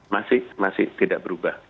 masih masih tidak berubah